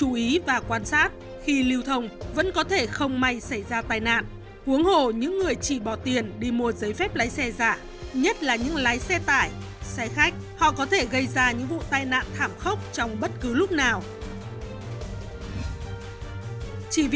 hãy đăng ký kênh để ủng hộ kênh của chúng mình nhé